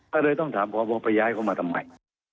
ก็เลยต้องถามพบไปย้ายเขามาทำไม